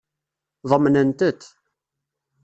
Ḍemnent-t.